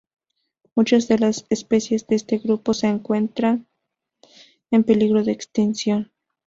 Muchas de las especies de este grupo se encuentras en peligro extinción.